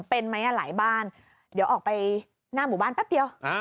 เป็นไหมอ่ะหลายบ้านเดี๋ยวออกไปหน้าหมู่บ้านแป๊บเดียว